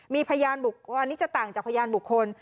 มีพยานบุคคลอันนี้จะต่างจากพยานบุคคล